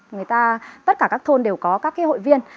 người ta tất cả các thôn đều có các hội viên